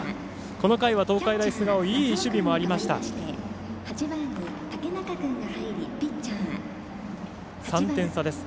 この回は東海大菅生いい守備もありました。